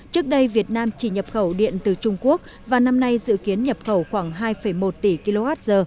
trước đây việt nam chỉ nhập khẩu điện từ trung quốc và năm nay dự kiến nhập khẩu khoảng hai một tỷ kwh